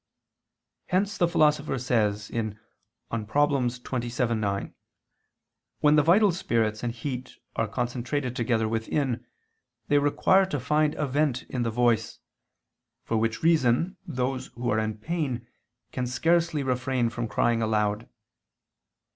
Hence the Philosopher says (De Problem. xxvii, 9) when the vital spirits and heat are concentrated together within, they require to find a vent in the voice: for which reason those who are in pain can scarcely refrain from crying aloud.